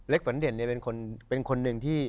เล็กฝันเด่นเนี่ยเป็นคนหนึ่งที่